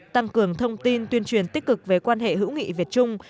tăng cường thông tin tuyên truyền tích cực về quan hệ hữu nghị việt trung